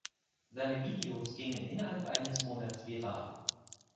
Seine Videos gingen innerhalb eines Monats viral.